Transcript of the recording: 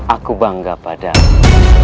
aku bangga padamu